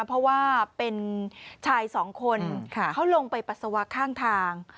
เพราะว่าเป็นชายสองคนเขาลงไปปัสสาวะข้างทาง